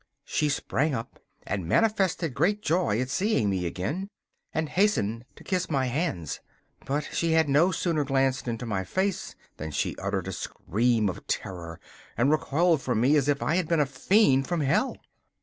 She sprang up and manifested great joy at seeing me again, and hastened to kiss my hands. But she had no sooner glanced into my face than she uttered a scream of terror and recoiled from me as if I had been a fiend from Hell!